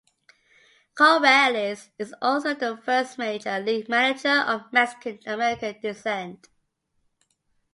Corrales is also the first major league manager of Mexican American descent.